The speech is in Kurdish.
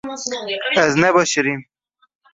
Ez nebişirîm